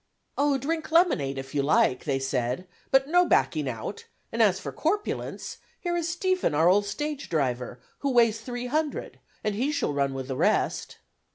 "Oh, drink lemonade, if you like," they said, "but no backing out; and as for corpulence, here is Stephen, our old stage driver, who weighs three hundred, and he shall run with the rest."